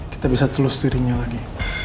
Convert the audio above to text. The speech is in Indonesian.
kita bisa telus dirinya lagi